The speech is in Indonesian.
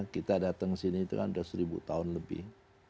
kita datang ke sini itu kan sudah seribu tahun lebih